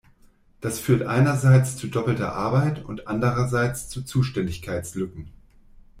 Das führt einerseits zu doppelter Arbeit und andererseits zu Zuständigkeitslücken.